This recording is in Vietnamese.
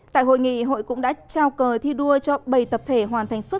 tại hội nghị hội cũng đã trao cờ thi đua cho bảy tập thể hoàn thành xuất